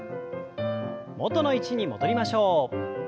元の位置に戻りましょう。